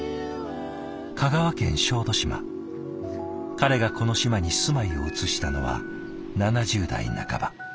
彼がこの島に住まいを移したのは７０代半ば。